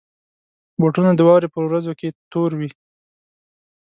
بوټونه د واورې پر ورځو کې تور وي.